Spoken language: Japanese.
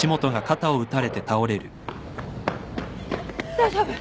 ・大丈夫？